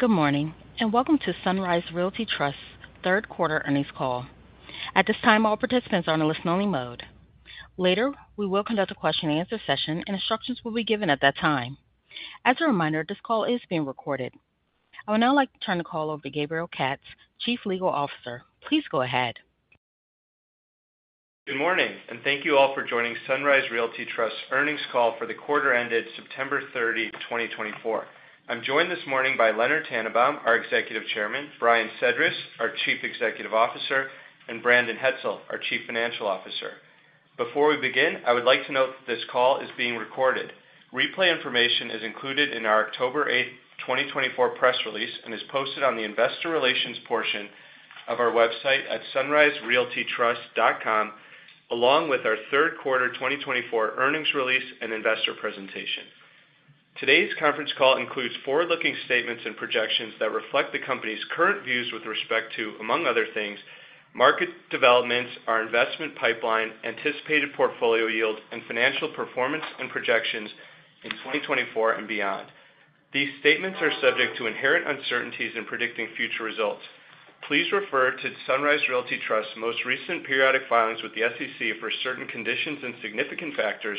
Good morning and welcome to Sunrise Realty Trust's third quarter earnings call. At this time, all participants are in a listen-only mode. Later, we will conduct a question-and-answer session, and instructions will be given at that time. As a reminder, this call is being recorded. I would now like to turn the call over to Gabriel Katz, Chief Legal Officer. Please go ahead. Good morning, and thank you all for joining Sunrise Realty Trust's earnings call for the quarter ended September 30, 2024. I'm joined this morning by Leonard Tannenbaum, our Executive Chairman, Brian Sedrish, our Chief Executive Officer, and Brandon Hetzel, our Chief Financial Officer. Before we begin, I would like to note that this call is being recorded. Replay information is included in our October 8, 2024, press release and is posted on the investor relations portion of our website at sunriserealtytrust.com, along with our third quarter 2024 earnings release and investor presentation. Today's conference call includes forward-looking statements and projections that reflect the company's current views with respect to, among other things, market developments, our investment pipeline, anticipated portfolio yield, and financial performance and projections in 2024 and beyond. These statements are subject to inherent uncertainties in predicting future results. Please refer to Sunrise Realty Trust's most recent periodic filings with the SEC for certain conditions and significant factors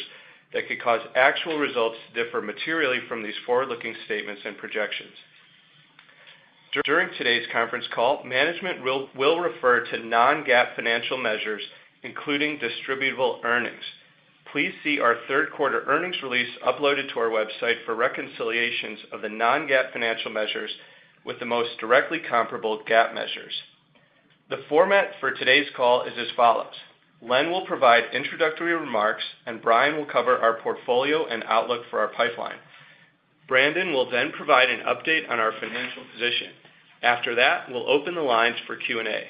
that could cause actual results to differ materially from these forward-looking statements and projections. During today's conference call, management will refer to non-GAAP financial measures, including distributable earnings. Please see our third quarter earnings release uploaded to our website for reconciliations of the non-GAAP financial measures with the most directly comparable GAAP measures. The format for today's call is as follows: Len will provide introductory remarks, and Brian will cover our portfolio and outlook for our pipeline. Brandon will then provide an update on our financial position. After that, we'll open the lines for Q&A.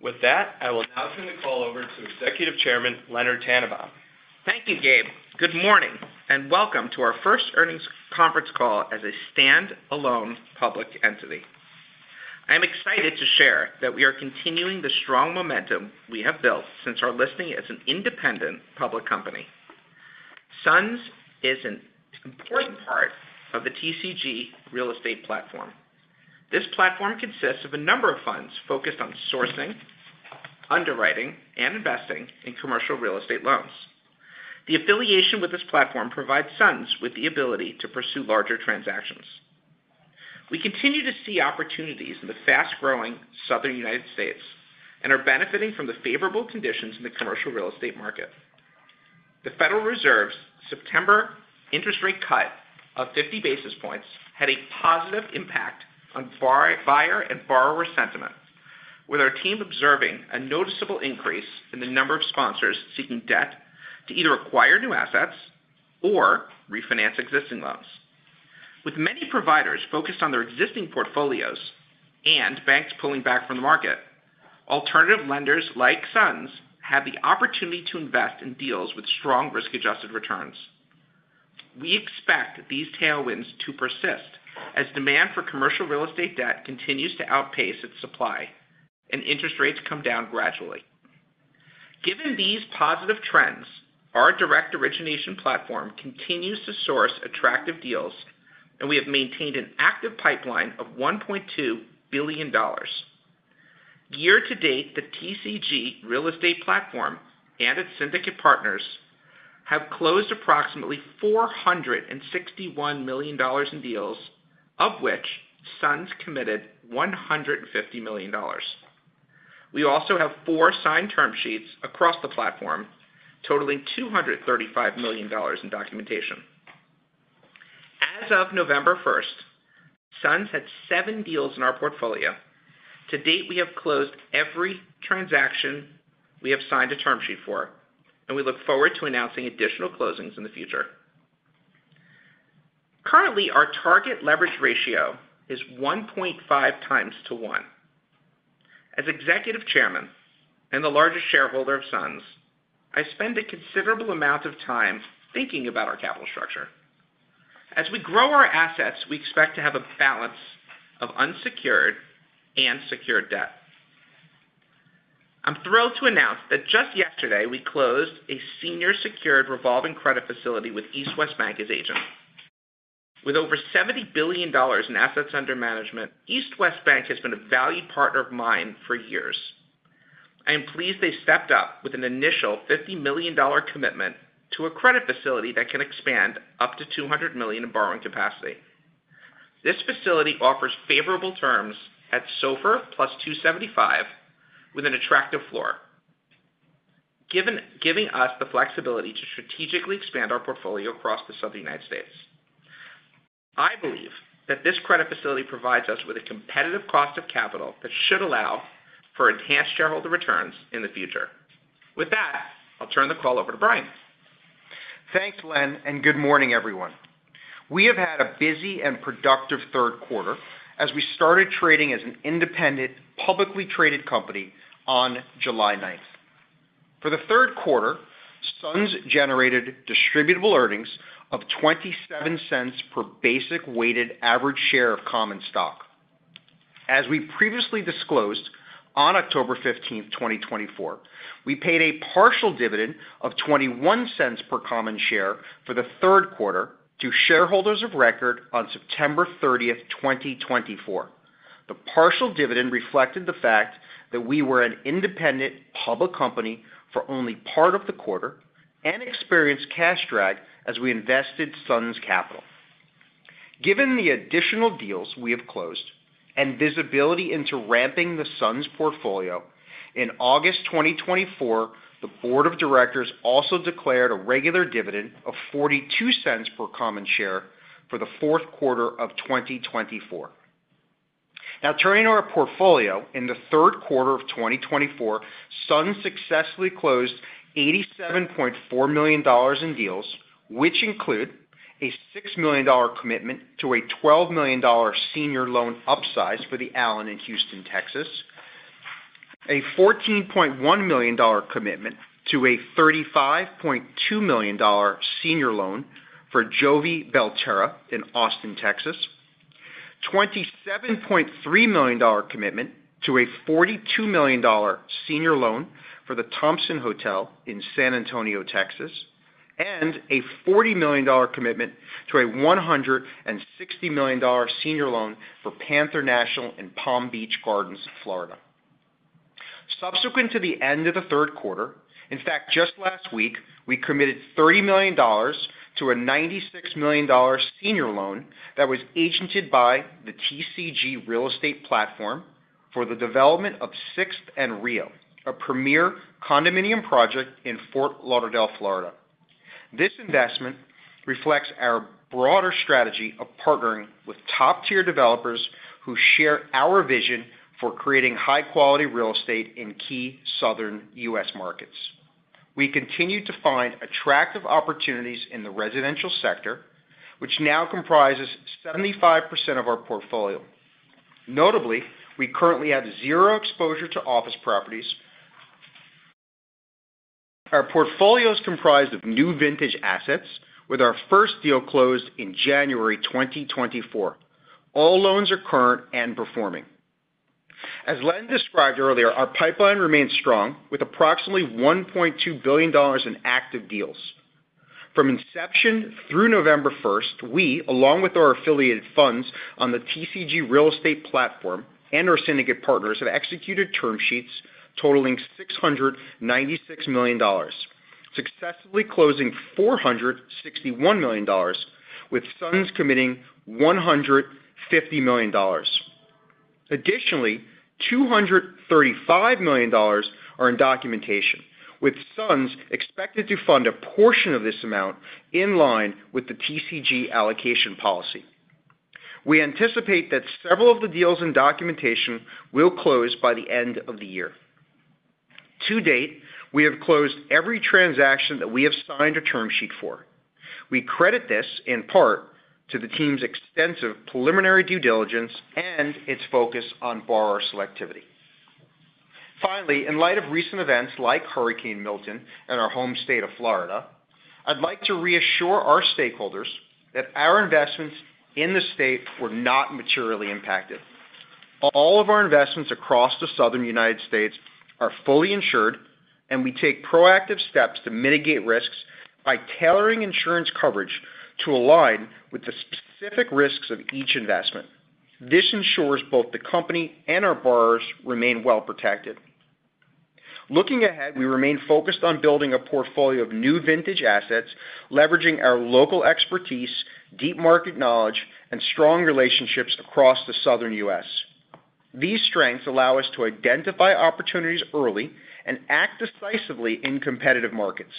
With that, I will now turn the call over to Executive Chairman Leonard Tannenbaum. Thank you, Gabe. Good morning and welcome to our first earnings conference call as a standalone public entity. I am excited to share that we are continuing the strong momentum we have built since our listing as an independent public company. SUNS is an important part of the TCG Real Estate platform. This platform consists of a number of funds focused on sourcing, underwriting, and investing in commercial real estate loans. The affiliation with this platform provides SUNS with the ability to pursue larger transactions. We continue to see opportunities in the fast-growing Southern United States and are benefiting from the favorable conditions in the commercial real estate market. The Federal Reserve's September interest rate cut of 50 basis points had a positive impact on buyer and borrower sentiment, with our team observing a noticeable increase in the number of sponsors seeking debt to either acquire new assets or refinance existing loans. With many providers focused on their existing portfolios and banks pulling back from the market, alternative lenders like SUNS have the opportunity to invest in deals with strong risk-adjusted returns. We expect these tailwinds to persist as demand for commercial real estate debt continues to outpace its supply and interest rates come down gradually. Given these positive trends, our direct origination platform continues to source attractive deals, and we have maintained an active pipeline of $1.2 billion. Year to date, the TCG Real Estate platform and its syndicate partners have closed approximately $461 million in deals, of which SUNS committed $150 million. We also have four signed term sheets across the platform, totaling $235 million in documentation. As of November 1st, SUNS had seven deals in our portfolio. To date, we have closed every transaction we have signed a term sheet for, and we look forward to announcing additional closings in the future. Currently, our target leverage ratio is 1.5 times to 1. As Executive Chairman and the largest shareholder of SUNS, I spend a considerable amount of time thinking about our capital structure. As we grow our assets, we expect to have a balance of unsecured and secured debt. I'm thrilled to announce that just yesterday we closed a senior secured revolving credit facility with East West Bank as agent. With over $70 billion in assets under management, East West Bank has been a valued partner of mine for years. I am pleased they stepped up with an initial $50 million commitment to a credit facility that can expand up to $200 million in borrowing capacity. This facility offers favorable terms at SOFR plus 275 with an attractive floor, giving us the flexibility to strategically expand our portfolio across the Southern United States. I believe that this credit facility provides us with a competitive cost of capital that should allow for enhanced shareholder returns in the future. With that, I'll turn the call over to Brian. Thanks, Len, and good morning, everyone. We have had a busy and productive third quarter as we started trading as an independent publicly traded company on July 9th. For the third quarter, SUNS generated distributable earnings of $0.27 per basic weighted average share of common stock. As we previously disclosed on October 15th, 2024, we paid a partial dividend of $0.21 per common share for the third quarter to shareholders of record on September 30th, 2024. The partial dividend reflected the fact that we were an independent public company for only part of the quarter and experienced cash drag as we invested SUNS capital. Given the additional deals we have closed and visibility into ramping the SUNS portfolio, in August 2024, the board of directors also declared a regular dividend of $0.42 per common share for the fourth quarter of 2024. Now, turning to our portfolio, in the third quarter of 2024, SUNS successfully closed $87.4 million in deals, which include a $6 million commitment to a $12 million senior loan upsize for The Allen in Houston, Texas, a $14.1 million commitment to a $35.2 million senior loan for Jovie Belterra in Austin, Texas, a $27.3 million commitment to a $42 million senior loan for the Thompson Hotel in San Antonio, Texas, and a $40 million commitment to a $160 million senior loan for Panther National in Palm Beach Gardens, Florida. Subsequent to the end of the third quarter, in fact, just last week, we committed $30 million to a $96 million senior loan that was agented by the TCG Real Estate platform for the development of Sixth and Rio, a premier condominium project in Fort Lauderdale, Florida. This investment reflects our broader strategy of partnering with top-tier developers who share our vision for creating high-quality real estate in key southern U.S. markets. We continue to find attractive opportunities in the residential sector, which now comprises 75% of our portfolio. Notably, we currently have zero exposure to office properties. Our portfolio is comprised of new vintage assets, with our first deal closed in January 2024. All loans are current and performing. As Len described earlier, our pipeline remains strong with approximately $1.2 billion in active deals. From inception through November 1st, we, along with our affiliated funds on the TCG Real Estate platform and our syndicate partners, have executed term sheets totaling $696 million, successfully closing $461 million, with SUNS committing $150 million. Additionally, $235 million are in documentation, with SUNS expected to fund a portion of this amount in line with the TCG allocation policy. We anticipate that several of the deals in documentation will close by the end of the year. To date, we have closed every transaction that we have signed a term sheet for. We credit this, in part, to the team's extensive preliminary due diligence and its focus on borrower selectivity. Finally, in light of recent events like Hurricane Milton and our home state of Florida, I'd like to reassure our stakeholders that our investments in the state were not materially impacted. All of our investments across the Southern United States are fully insured, and we take proactive steps to mitigate risks by tailoring insurance coverage to align with the specific risks of each investment. This ensures both the company and our borrowers remain well protected. Looking ahead, we remain focused on building a portfolio of new vintage assets, leveraging our local expertise, deep market knowledge, and strong relationships across the southern U.S. These strengths allow us to identify opportunities early and act decisively in competitive markets.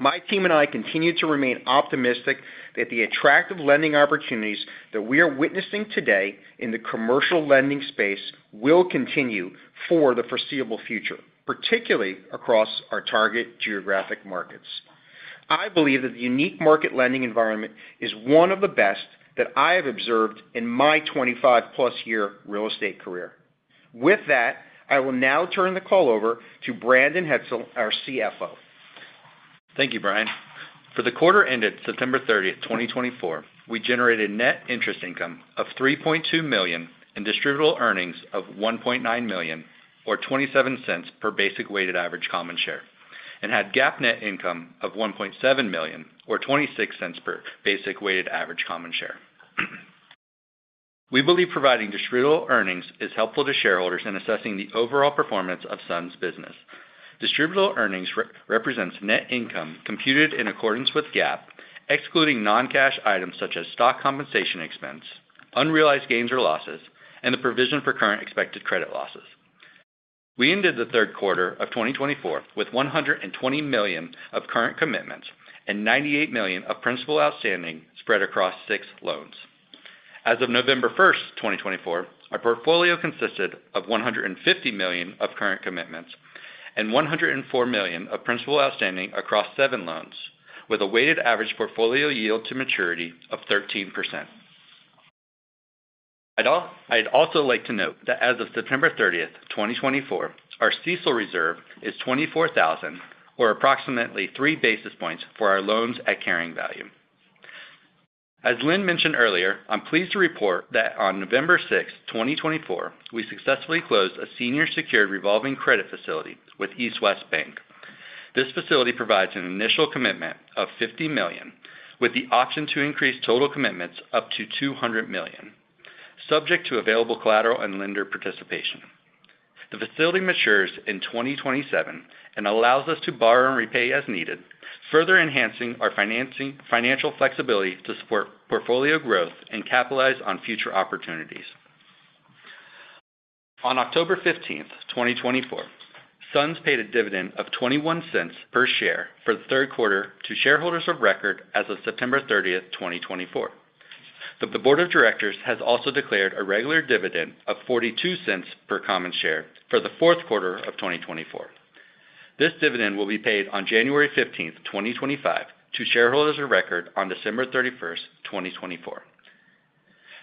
My team and I continue to remain optimistic that the attractive lending opportunities that we are witnessing today in the commercial lending space will continue for the foreseeable future, particularly across our target geographic markets. I believe that the unique market lending environment is one of the best that I have observed in my 25-plus year real estate career. With that, I will now turn the call over to Brandon Hetzel, our CFO. Thank you, Brian. For the quarter ended September 30th, 2024, we generated net interest income of $3.2 million and distributable earnings of $1.9 million, or $0.27 per basic weighted average common share, and had GAAP net income of $1.7 million, or $0.26 per basic weighted average common share. We believe providing distributable earnings is helpful to shareholders in assessing the overall performance of Sunrise's business. Distributable earnings represents net income computed in accordance with GAAP, excluding non-cash items such as stock compensation expense, unrealized gains or losses, and the provision for current expected credit losses. We ended the third quarter of 2024 with $120 million of current commitments and $98 million of principal outstanding spread across six loans. As of November 1st, 2024, our portfolio consisted of $150 million of current commitments and $104 million of principal outstanding across seven loans, with a weighted average portfolio yield to maturity of 13%. I'd also like to note that as of September 30th, 2024, our CECL reserve is $24,000, or approximately three basis points for our loans at carrying value. As Len mentioned earlier, I'm pleased to report that on November 6th, 2024, we successfully closed a senior secured revolving credit facility with East West Bank. This facility provides an initial commitment of $50 million, with the option to increase total commitments up to $200 million, subject to available collateral and lender participation. The facility matures in 2027 and allows us to borrow and repay as needed, further enhancing our financial flexibility to support portfolio growth and capitalize on future opportunities. On October 15th, 2024, SUNS paid a dividend of $0.21 per share for the third quarter to shareholders of record as of September 30th, 2024. The board of directors has also declared a regular dividend of $0.42 per common share for the fourth quarter of 2024. This dividend will be paid on January 15th, 2025, to shareholders of record on December 31st, 2024.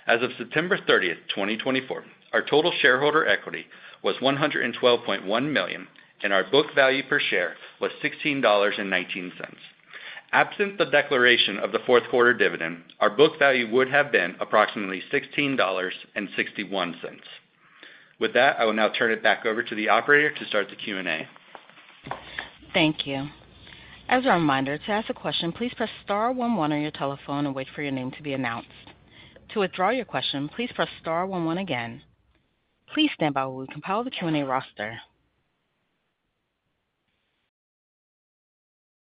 As of September 30th, 2024, our total shareholder equity was $112.1 million, and our book value per share was $16.19. Absent the declaration of the fourth quarter dividend, our book value would have been approximately $16.61. With that, I will now turn it back over to the operator to start the Q&A. Thank you. As a reminder, to ask a question, please press star 11 on your telephone and wait for your name to be announced. To withdraw your question, please press star 11 again. Please stand by while we compile the Q&A roster.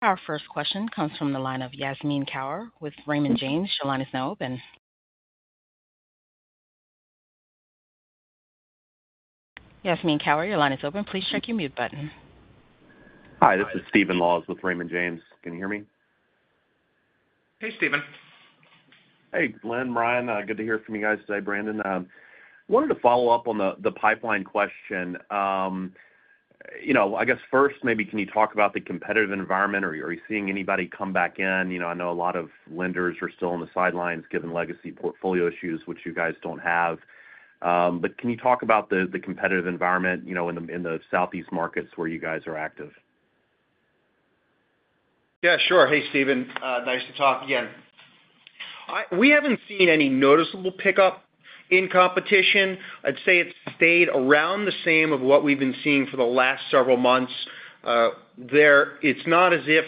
Our first question comes from the line of Jasmeen Kaur with Raymond James. Your line is now open. Jasmeen Kaur, your line is open. Please check your mute button. Hi, this is Stephen Laws with Raymond James. Can you hear me? Hey, Stephen. Hey, Len, Brian. Good to hear from you guys today, Brandon. Wanted to follow up on the pipeline question. I guess first, maybe can you talk about the competitive environment? Are you seeing anybody come back in? I know a lot of lenders are still on the sidelines given legacy portfolio issues, which you guys don't have. But can you talk about the competitive environment in the Southeast markets where you guys are active? Yeah, sure. Hey, Stephen. Nice to talk again. We haven't seen any noticeable pickup in competition. I'd say it's stayed around the same of what we've been seeing for the last several months. It's not as if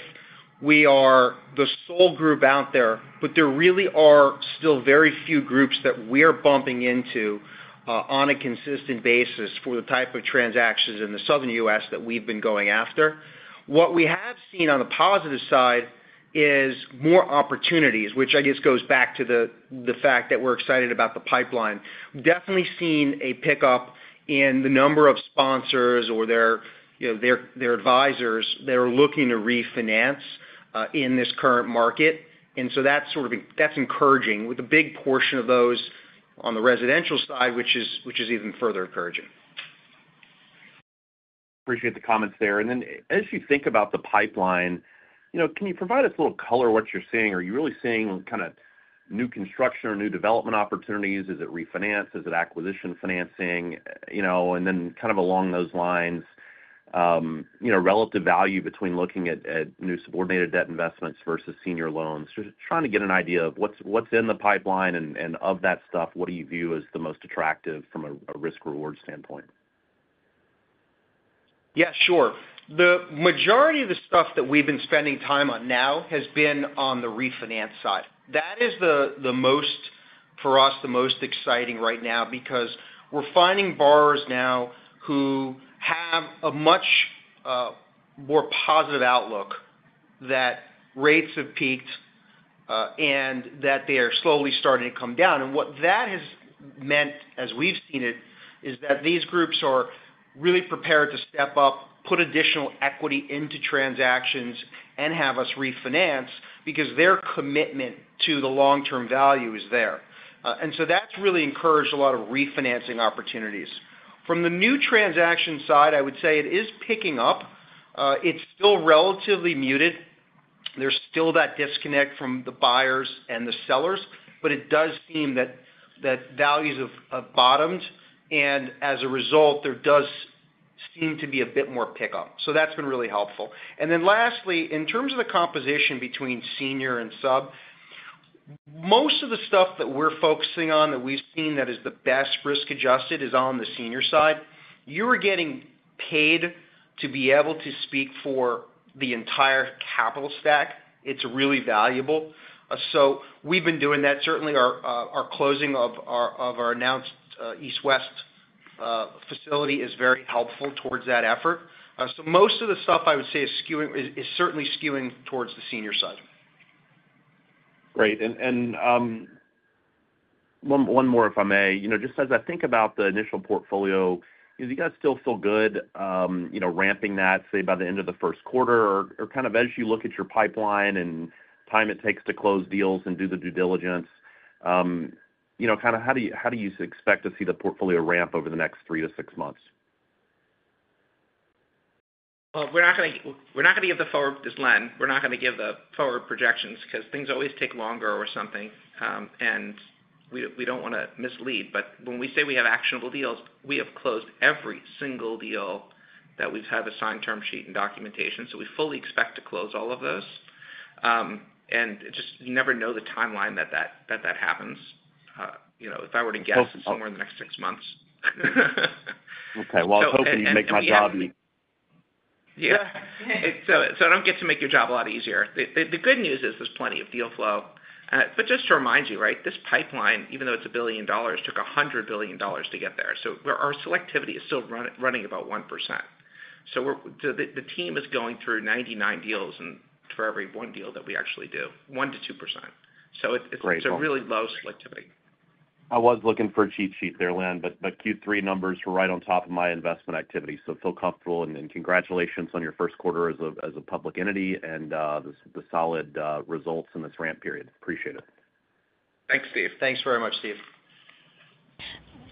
we are the sole group out there, but there really are still very few groups that we are bumping into on a consistent basis for the type of transactions in the southern U.S. that we've been going after. What we have seen on the positive side is more opportunities, which I guess goes back to the fact that we're excited about the pipeline. We've definitely seen a pickup in the number of sponsors or their advisors that are looking to refinance in this current market. And so that's encouraging, with a big portion of those on the residential side, which is even further encouraging. Appreciate the comments there. And then as you think about the pipeline, can you provide us a little color of what you're seeing? Are you really seeing kind of new construction or new development opportunities? Is it refinance? Is it acquisition financing? And then kind of along those lines, relative value between looking at new subordinated debt investments versus senior loans? Just trying to get an idea of what's in the pipeline and of that stuff, what do you view as the most attractive from a risk-reward standpoint? Yeah, sure. The majority of the stuff that we've been spending time on now has been on the refinance side. That is, for us, the most exciting right now because we're finding borrowers now who have a much more positive outlook that rates have peaked and that they are slowly starting to come down. And what that has meant, as we've seen it, is that these groups are really prepared to step up, put additional equity into transactions, and have us refinance because their commitment to the long-term value is there. And so that's really encouraged a lot of refinancing opportunities. From the new transaction side, I would say it is picking up. It's still relatively muted. There's still that disconnect from the buyers and the sellers, but it does seem that values have bottomed. And as a result, there does seem to be a bit more pickup. So that's been really helpful. And then lastly, in terms of the composition between senior and sub, most of the stuff that we're focusing on that we've seen that is the best risk-adjusted is on the senior side. You are getting paid to be able to speak for the entire capital stack. It's really valuable. So we've been doing that. Certainly, our closing of our announced East West facility is very helpful towards that effort. So most of the stuff I would say is certainly skewing towards the senior side. Great. And one more, if I may. Just as I think about the initial portfolio, do you guys still feel good ramping that, say, by the end of the first quarter? or kind of as you look at your pipeline and time it takes to close deals and do the due diligence, kind of how do you expect to see the portfolio ramp over the next three-to-six months? We're not going to give the forward this line. We're not going to give the forward projections because things always take longer or something. And we don't want to mislead. But when we say we have actionable deals, we have closed every single deal that we've had signed term sheet and documentation. So we fully expect to close all of those. And you never know the timeline that that happens. If I were to guess, it's somewhere in the next six months. Okay. Well, I was hoping you'd make my job easier. Yeah. So I don't get to make your job a lot easier. The good news is there's plenty of deal flow. But just to remind you, right, this pipeline, even though it's a billion dollars, took $100 billion to get there. So our selectivity is still running about 1%. So the team is going through 99 deals for every one deal that we actually do, 1%-2%. So it's a really low selectivity. I was looking for a cheat sheet there, Len, but Q3 numbers were right on top of my investment activity. So feel comfortable, and congratulations on your first quarter as a public entity and the solid results in this ramp period. Appreciate it. Thanks, Steve. Thanks very much, Steve.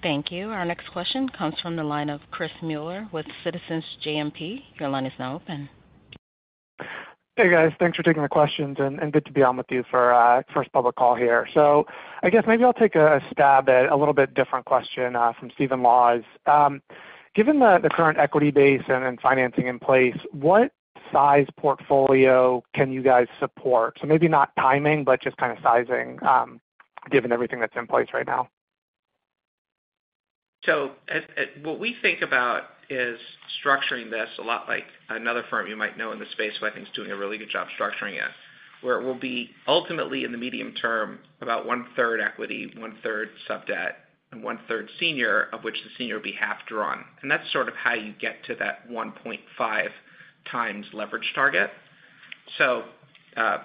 Thank you. Our next question comes from the line of Chris Muller with Citizens JMP. Your line is now open. Hey, guys. Thanks for taking the questions, and good to be on with you for our first public call here, so I guess maybe I'll take a stab at a little bit different question from Stephen Laws. Given the current equity base and financing in place, what size portfolio can you guys support? So maybe not timing, but just kind of sizing, given everything that's in place right now. So what we think about is structuring this a lot like another firm you might know in the space who I think is doing a really good job structuring it, where it will be ultimately in the medium term, about one-third equity, one-third sub debt, and one-third senior, of which the senior will be half drawn. And that's sort of how you get to that 1.5 times leverage target. So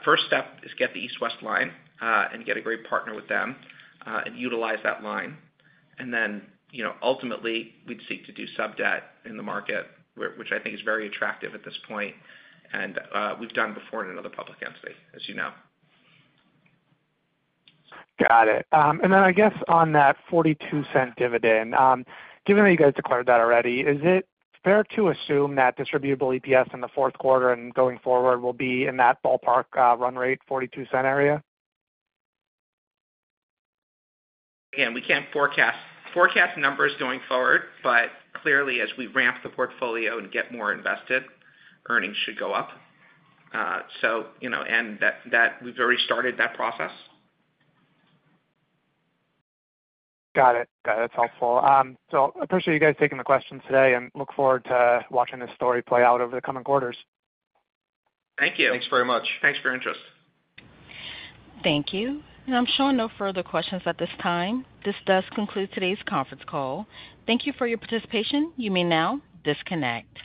first step is get the East West line and get a great partner with them and utilize that line. And then ultimately, we'd seek to do sub debt in the market, which I think is very attractive at this point. And we've done before in another public entity, as you know. Got it. And then I guess on that $0.42 dividend, given that you guys declared that already, is it fair to assume that distributable EPS in the fourth quarter and going forward will be in that ballpark run rate, $0.42 area? We can't forecast numbers going forward, but clearly, as we ramp the portfolio and get more invested, earnings should go up. And we've already started that process. Got it. Got it. That's helpful. So appreciate you guys taking the questions today and look forward to watching this story play out over the coming quarters. Thank you. Thanks very much. Thanks for your interest. Thank you. And I'm showing no further questions at this time. This does conclude today's conference call. Thank you for your participation. You may now disconnect.